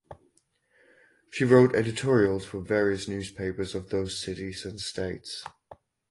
She wrote editorials for various newspapers of those cities and states.